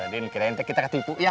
din kira kira nanti kita ketipu ya